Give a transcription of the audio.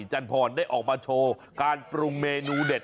จันพรได้ออกมาโชว์การปรุงเมนูเด็ด